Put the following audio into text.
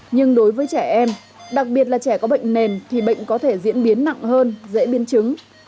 nhưng đối với trẻ em đặc biệt là trẻ có bệnh nền thì bệnh có thể diễn biến nặng hơn dễ biên chứng